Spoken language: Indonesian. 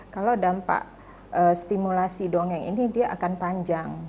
kalau dampak stimulasi dongeng ini dia akan panjang